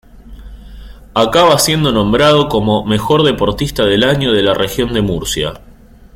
Acaba siendo nombrado como mejor deportista del año de la Región de Murcia.